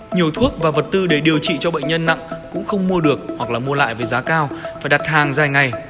nhiều thuốc và vật tư để điều trị cho bệnh nhân nặng cũng không mua được hoặc là mua lại với giá cao phải đặt hàng dài ngày